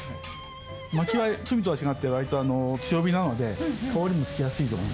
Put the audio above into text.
薪は炭とは違って割と強火なので香りも付きやすいと思います。